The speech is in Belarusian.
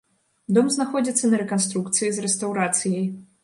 Дом знаходзіўся на рэканструкцыі з рэстаўрацыяй.